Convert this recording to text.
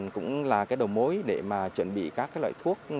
cũng là cái đầu mối để mà chuẩn bị các cái loại thuốc